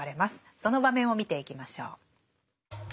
その場面を見ていきましょう。